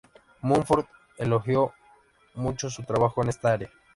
Mumford elogió mucho su trabajo en esta área.